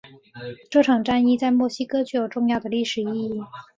这场战役在墨西哥具有重要的历史意义。